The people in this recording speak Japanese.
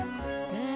うん？